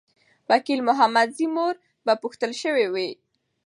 وکیل محمدزی مور به پوښتل سوې وي.